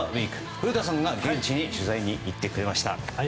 古田さんが現地に取材に行ってくれました。